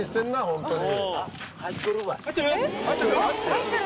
ホントに。